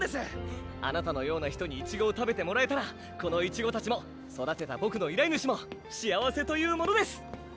あなたのような人にいちごを食べてもらえたらこのいちごたちも育てたぼくのいらい主も幸せというものです！